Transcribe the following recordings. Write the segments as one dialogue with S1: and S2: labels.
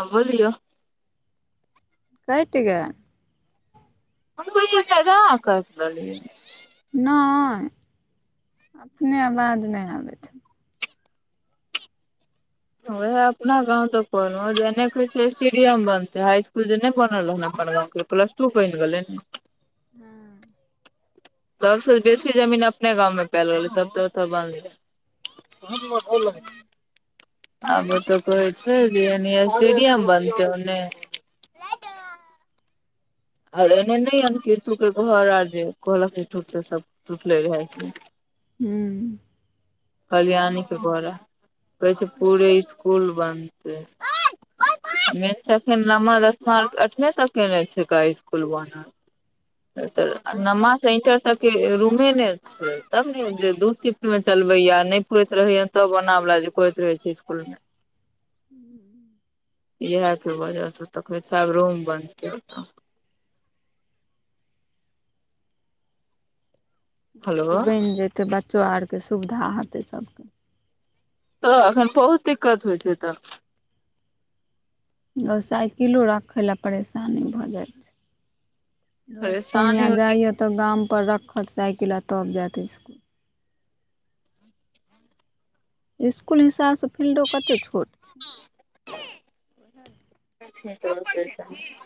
S1: हाँ बोलियौ
S2: कटि गेल
S1: हम बुझलियै अहा काइत देलिये [unintelligible]
S2: नहि अपने आवाज नहि आबै छै।
S1: ओएह अपना गाँंव तऽ कहलहु जेने कहइ छै स्टेडियम बनतै हाई स्कुल जे नहि बनल रहन अपन गाँंमके प्लस टू बनि गेलै
S2: हँ
S1: सबसँ बेसी जमीन अपने गाँवमे पायल रहलै तब तऽ ओतऽ बनलै हँ बुआ गोर लगै छी [unintelligible] आब ओतऽ कहइ छैय जे कि एने स्टेडियम बनत उने आर एने नहि केतु के घर आर जे कहलक हे [unintelligible] सब टूटले रहै एक बेर जे
S2: हूँ
S1: कल्याणी के घोर आ कहै छै पूरे स्कुल बनतै मेन छै एखन नमा दशमा अठवा तक के छै कहै खुल वामे से एत ऐंटर तक रूमे ने [unintelligible] तब ने दू शिफ्ट में चलबै या नहि पुरैत रहैय तब ओना वाल जे करैत रहे छै स्कुल मे,
S2: ह्म
S1: इएहे के वजह से त कहैछे आब रूम बनतै ओतय हेलो
S2: बइन जेतै बच्चो आरके सुविधा हेतै सभके
S1: त एखन बहुत दिक्कत होइ छैय एत
S2: साइकिलो राखै लए परेशानी भ जाइ छैय। रोज
S1: परेशानी
S2: सोमिया
S1: होइ छै
S2: जाइय त गाम पर रखत साइकिल आ तब जायत स्कुल। स्कुल हिसाबसँ फील्डो कते छोट
S1: [inaudible]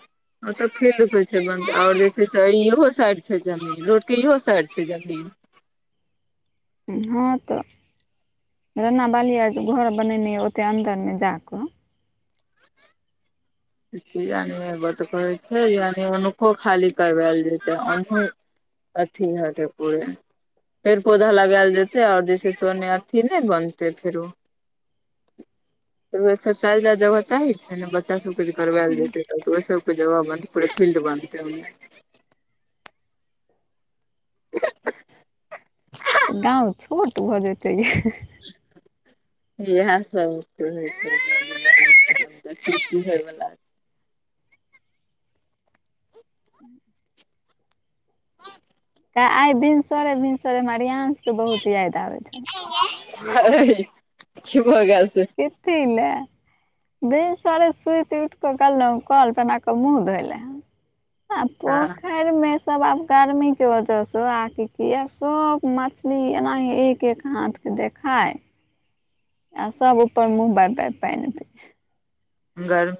S1: ओत फिलड होये छैय बनते, ओर जे से छैय से इहो साइड छैय जमीन, रोड के इहो साइड छैय जमीन।
S2: हाँ तऽ रनाा बाली आर जे घर बनेने ऐ ओते अन्दरमे जाक।
S1: यानि बात कहै छै यानि हुनको खाली करैल जेते। अथी हेथे पुरे - - पेड़- पौधा लगायल जेतेै और जे से छैइ ओने अथी नै बनते फेरो। एक्सरसाइज ले जगह चाही छै ने बच्चा सब- - भरवैल जेतै तऽ ओकरो सब के जगह बनते पुरा फील्ड बनते - - [inaudible]
S2: त गांवच छोट भ जेतैय
S1: इएह सब के होइ छै [inaudible] बुझे वाला
S2: त आइ भिनसरे -भिनसरे मे हमरा रियांश के बहुत याद आबै छैला
S1: [inaudible] की भ गेल से
S2: एते लै बिन सारे सुइत उठ क गलहुं, कल पर ऐना क मुँह धोयले। आ
S1: हँ
S2: पोखर घर में सब आब गर्मी के वजह से आहां के की होइया की सब मछली एनाहे एक-एक हाथ देखाय आ सब उपर मुँह बाॅब-बाॅब पाइन अथि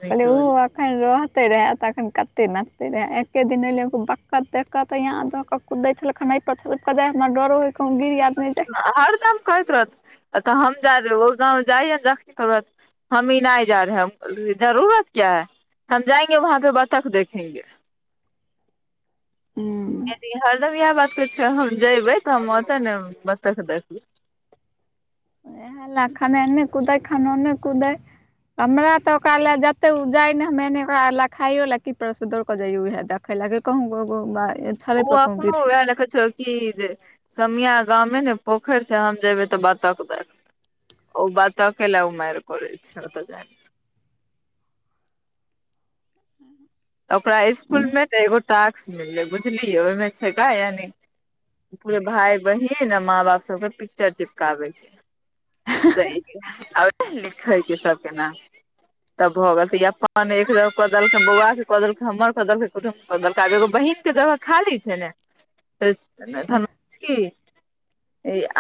S2: [inaudible]
S1: के वजह
S2: एखन रहते रहए तखन कते नचते रहै, एके दिन एले एगो बकत देख कत यहाँ द क कुदै छलै खनाइ ऐत छरैप क जाय न डरो होई कहूँ गिरी आदमी त
S1: हरदम कहैत रहत, अत हम जा देबौ गाँव जाइयै ने [inaudible] हमी नहि जा रहेै हम कहलिये जरूरत क्या है? हम जाएंगे वहाँ पे बतख देखेंगे।
S2: हम्म।
S1: यदि हरदम इएहे बात त छै हम जबै त हम ओत न जेबै बतख देखबै।
S2: ए हला खनैने कुदे खनैने कुदे। हमरा त ओकरा ले जते उ जाय ने [inaudible] खायो ले की किछु दक जइयो देख खैला के कहूँ गो गो
S1: ओ अखनो उहा देखय छैई। कि जे समीया गाममे ने पोखरि छै हम जेबे तऽ बतक दे- - ओ बतक के ले उ मार करय छै, ओत जाब।
S2: हू
S1: ओकरा इसकुलमे न एगो टास्क मिललै बुझलिही, ओहिमे छै गाया नि- - पूरे भाय-बहिन, माँ-बाप सबके पिक्चर चिपकाबे के तैई- - आब हेते न सब के लिखै के सबके नाम- - तब भऽ गेल इहे फोन अपन एक बेर कऽ देलक बौआ के। कऽ देलकै, हमर कऽ देलकै, कुटुम्बके कऽ देलकै आब एगो बहिन के जगह खाली छै। [unintelligible] धन की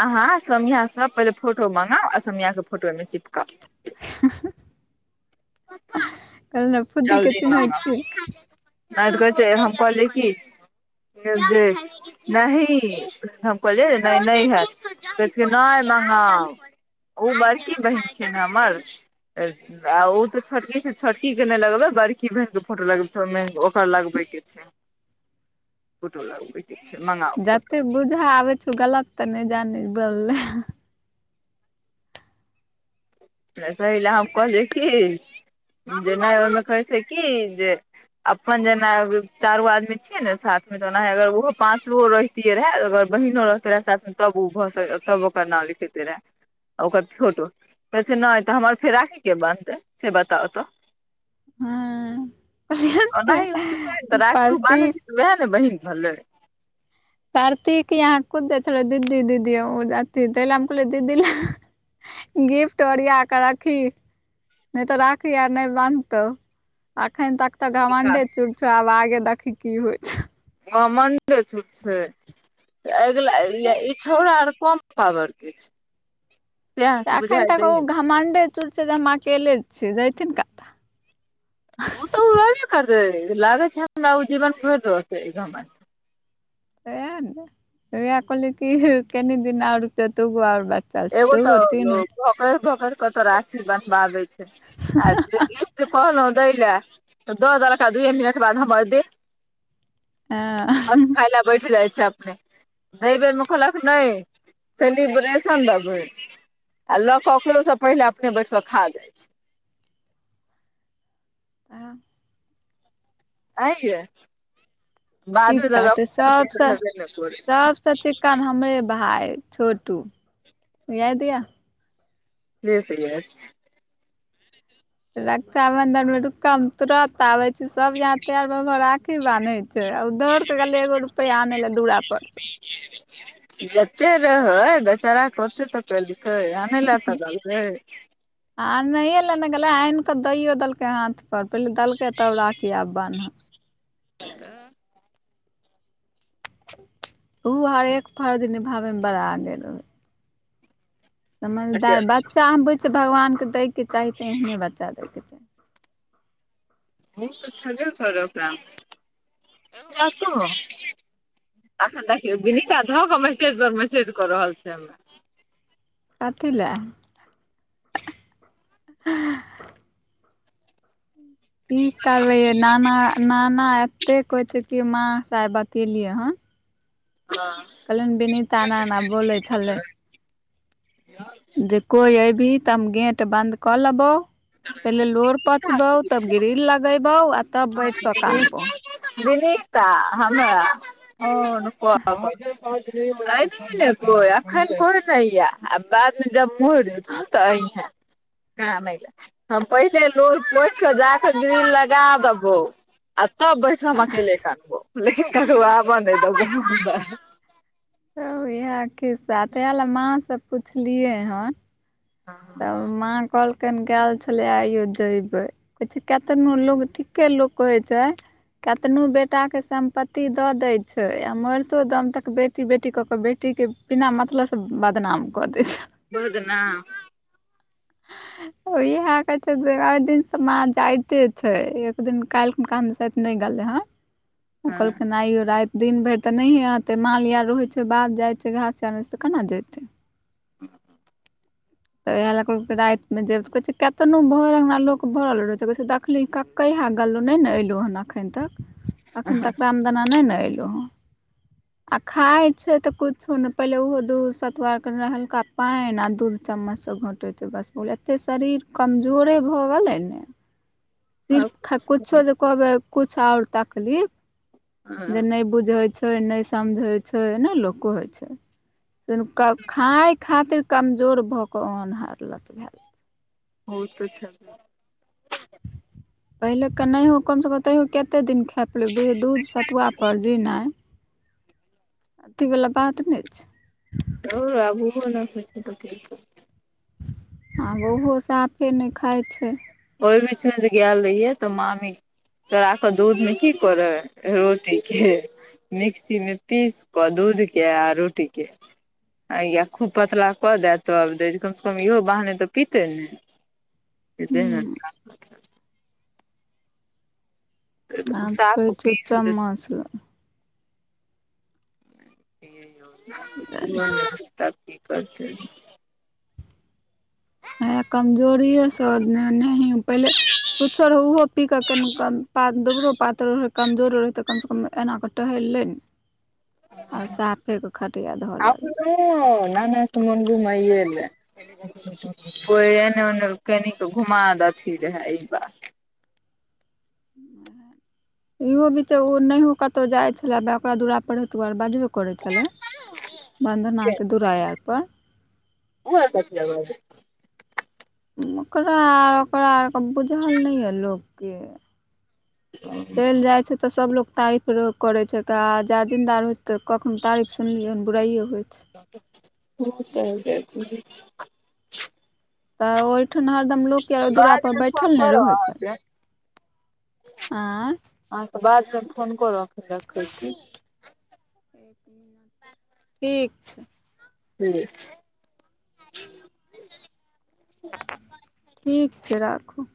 S1: अहाँ समियासँ पहिले फोटो मगाउ, आ समियाके फोटो एहिमे चिपकाव।
S2: कहबै फुदी के चिन्है छियै?
S1: आर की कहै छै, हम कहलिऐ की जे नहि हम कहलियै नैय नै हैत, कहै छै की नै मगाउ। ओ बड़की बहिन छिय न हमर, आ ओ तऽ छोटकीसँ छोटकी। नै लगबै, बड़की बहिन के फोटो लगेबै ओइमे ओकर लगबै के छै। फोटो लगबै।
S2: जते बुझा आबै छौ, गलत तऽ नहि जानी बोलले।
S1: त तही ले हम कहलियै की, जे नै ओइमे कहै छै की जे अपन जेना चारो आदमी छिये ने साथ में, तनाहे अगर ओहो पाचो रह तियै रहे, अगर बहिनो रहते रहे साथमे, तब ओ भऽ तब ओकर नाम लिखेते रहे। आ ओकर फोटो। कहै छै नै, तऽ हमर फेर राखी के बहतै से बताउ तऽ।
S2: हँ
S1: आ नहि हो तऽ राखि बान्है
S2: प्रतीक
S1: छै तऽ, ओएह ने बहिन भलै।
S2: तरती के यहाँ खुद देखबै दीदी दीदी अथी तैय ला कहलीय दीदी ला [unintelligible] गिफ्ट ओरियाक रखी। न‌इ तऽ राखी आर न‌इ बान्धतौ, अखन त तऽ घमण्डे
S1: विकास
S2: चूड़ छो, आब आगे देखीही की होइ छौ।
S1: घमण्डे चूड़ छै। अगिला ई छौड़ा आर कम पावर के छै। से अहाँके
S2: अखन
S1: बुझाइ
S2: तक ओ
S1: दैये
S2: घमण्डे चूड़ छै जे, हम अकेले छी, जयथिन का
S1: ओ तऽ ओ रहबे करतै, लागै छै हमरा ओ जीवन भयर रहतै घमण्ड।
S2: एय कहलीय की कनि दिन आर त तो गआ ब [unintelligible]
S1: एगो तऽ [unintelligible] पकैड़ -पकैड़ कऽ त राखी बनहबायै छै, आ जे गिफ्ट कहलहु दै ला दऽ देलक, और दुए मिनट बाद हमर दे।
S2: आं ह [inaudible]
S1: खाई ला बैठ जाइ छै अपने, लैय बेर मे कहलक न‌इ सेलीर्बे हम देबै, लऽ के ओकरो स पहिले अपने बैठ क खा लैइ छै।
S2: [inaudible]
S1: आं यै।
S2: की
S1: बादमे लऽ
S2: करतै,
S1: कऽ किछो
S2: सबसे
S1: हेबे नहि करै छै
S2: सबसे चिक्कन हमरे भाई! छोटू, उह दिया।
S1: नहिस [unintelligible]
S2: रक्षा बंधन मे रूक त हम तुरत आबै छी, सब यहाँ तैयार भ भ राखी बानधैत। आ ओ दौड़ कऽ गेलैय एगो रुपैआ आनै ला दूरा पर सँ।
S1: [unintelligible] जते रहै बेचारे के ओते त केलकै। म लतलै [unintelligible]
S2: आ आनहिए लेने गेलै, आइन कऽ दयौ देलकै हाथ पर, पहिले देलकै तब राखी आब बानह।
S1: तऽ [unintelligible]
S2: ऊ हर एक फर्ज निभावे मे बड़ा आगे रहे छै।
S1: अच्छा
S2: समझदार, बच्चा हम बुझैछी, भगवानके दैके चाही तऽ एहने बच्चा दैके चाही।
S1: उ तऽ छेबे करऽता एगो बात कहौ। अखन देखियौ विनीता धऽ कऽ मैसेज पर मैसेज कऽ रहल छै हमरा।
S2: कथी लैं। की करबै यै नाना-नाना एते कहेय छै की, माँ स आय बतयेलियै हँ।
S1: [unintelligible]
S2: कहलियैन विनीता एना-एना बोलै छलै।
S1: यार [unintelligible]
S2: जे कोइ ऐयभि तऽ हम गेट बन्द कऽ लेबौ। पहिले लोर पोछबौ, तब ग्रिल लगयबौ, आ तब बैठ क कानबौ।
S1: दिली [unintelligible] ता हमरा [unintelligible] कि लेबय, अखन कोइ न‌इ आ, बादमे जब मोइर जेबौ तऽ अई हैं। कानय लैं, हम पहिले लोर पोयछ कऽ, जाकऽ ग्रिल लगा देबौ। आ तब बैठ कऽ हम अकेले कानबौ, लेकिन ककरो आबऽ न‌इ देबौ।
S2: तब यैंह खिस्सा तेया ला माँ स पुछलियए हन।
S1: आ हं
S2: तब माँ कहलकैन गैल छलै आइयो जयबै। कहै छै केंतनो लोग ठीके लोक कहै छै। कतनो बेटाके सम्पत्ती दऽ दै छै, आ मैयरतो दम तक बेटी बेटी कऽ-कऽ बेटीके बिना मतलब स बदनाम कऽ दै छै।
S1: बहुद न [unintelligible]
S2: ओ इहे कहै छै जे आय दिनसँ माँ जाइते छै, एक दिन काइल गाम शायद नहि गलै हँ, उ
S1: हँ
S2: कहलखिन आइयो राति दिन भरि तऽ नहिए अतै, माल इ आर रहइ छै, बाध जाइ छै घास आर आनऽ तऽ केना जेतै।
S1: [inaudible]
S2: तऽ इएह लएऽ कहलकय रातिमे जेब, तऽ कहै छैै कतनो भरि अंगना लोक भरल रहै छै, कहै छै दखली क कहिया गलौ नहि न एलौ हन अखैन तक, अखैन तक रामदाना नहि न एलौ हँ। [inaudible] आ खाइ छै तऽ कुछो नहि, पहिले ओहो दूध सतुआर के हल्का पाइन आ दूध चम्मचसँ घोटै छै बस भऽ गेलै, एते शरीर कमजोरे भऽ गेलै ने। सिर्फ
S1: हँ
S2: थक कुछो जे कहबै कुछ आओर तकलीफ। जे नहि बुझै छै, नहि समझै छै, नहि लोक कोहय छै। खाय खातिर कमजोर भऽ कऽ ओहन हारलत भैं गेलै।
S1: ओउ तऽ छैन न।
S2: पहिले क नहियो कम से कम तैयो कते दिन खै खैं पी लै, बुझियों दूध सतुआ पर जिनाइ अथीवला बात नहि छै।
S1: धोउर आब उहो नहि होइ छै तऽ कि करतै।
S2: आब ओहो साफे नहि खाइ छै।
S1: ओय बिच मे जे गेल रहियै तऽ मामी चोरा कऽ दूधमे की करै रोटीके मिक्सी मे पीस कऽ, दूध के आ रोटी के आ या खूब पतला कऽ दैं आ तब दै कम सँ कम इहो बहाने तऽ पीतै ने। जे देह मे
S2: हूँ
S1: ताकत हेतै। [unintelligible] ओ
S2: आब
S1: साफ
S2: कहै छौ
S1: पीस दे
S2: चम्मच लए
S1: [unintelligible] कि करतै।
S2: हे कमजोरीए सँ ने, नहि पहिले कुछो रहो उहो पी क कनिक पा दुबरो पातर कमजोरो रहै तऽ कम से कम एना कर टहैल लै आब साफे कऽ खटिया धऽ ल
S1: ओ नाना के मोन घुमैइएलै। कोई एने ओने कनिक घुमा दथी रहै इ बार।
S2: इहो बीचे उ नहियो कतौ जाय छले तऽ ओकरा दुरा पर हे बाजब। करै छलै बंधना के दूरा आर पर।
S1: उम्हर कथी [unintelligible]
S2: ओकरा आ ओकरा अर क बुझल नै ये लोक के। चैल जाइ छै तऽ सबलोग तारीफ। फरो करै छै तऽ आ जा जिन्दा रहय छै तऽ कखनो तारीफ सुनलियै हन बुराइये होइ छै।
S1: [unintelligible]
S2: तऽ ओहिठाम हरदम लोक यर ओय दुरा पर बैठल ने रहै छै। आँय
S1: अहाँ के बादमे फोन करब रखै छी।
S2: ठीक छै।
S1: ठिक।
S2: ठीक छै राखू।